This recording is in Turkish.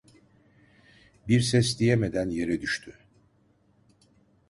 Bir ses diyemeden yere düştü.